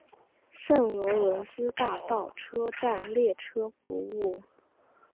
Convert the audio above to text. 圣罗伦斯大道车站列车服务。